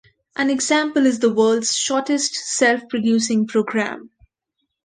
An example is the world's shortest self-reproducing program.